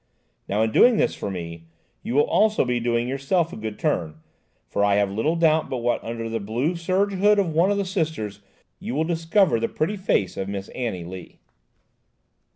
Now, in doing this for me, you will be also doing yourself a good turn, for I have little doubt but what under the blue serge hood of one of the sisters you will discover the pretty face of Miss Annie Lee."